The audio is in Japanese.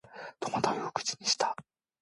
戸惑いを口にした